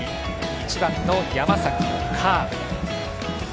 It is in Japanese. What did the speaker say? １番、山崎はカーブ。